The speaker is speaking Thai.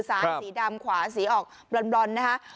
ซ้านสีดำขวาสีออกบล่นนะฮะ